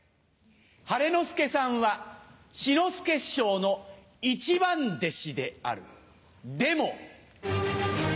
晴の輔さんは志の輔師匠の一番弟子であるでも！